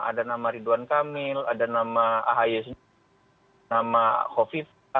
ada nama ridwan kamil ada nama ahy nama kofifa